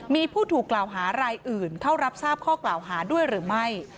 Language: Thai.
มีผู้ถูกกล่าวหารายอื่นเข้ารับทราบข้อกล่าวหาด้วยหรือไม่